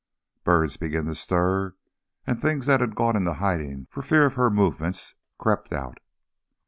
Birds began to stir, and things that had gone into hiding for fear of her movements crept out....